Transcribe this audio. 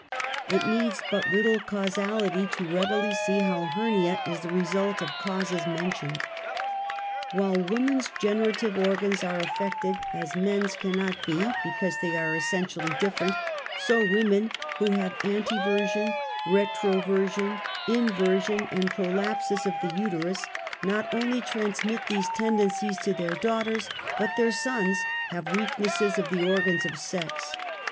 It needs but little causality to readily see how hernia is the result of causes mentioned. While woman's generative organs are affected as men's cannot be, because they are essentially differ ent, so women who have anteversion, retroversion, inversion and i^rolapsus of the uterus not only trans HERNIA. 137 mit these tendencies to their daughters, but their ^sons have weaknesses of the organs of sex.